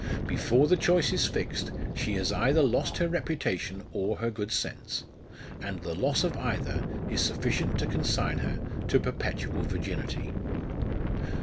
Before the choice is fixed, she has either lost her reputation or her good sense ; and the loss of either is sufficient to consign her to perpetual virginity.